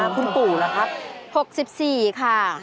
คุณปู่ล่ะครับ๖๔ค่ะ